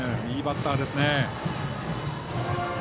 いいバッターですね。